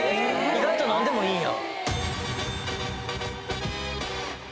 意外と何でもいいんや。